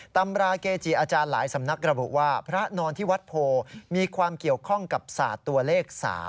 ตำราเกจิอาจารย์หลายสำนักระบุว่าพระนอนที่วัดโพมีความเกี่ยวข้องกับศาสตร์ตัวเลข๓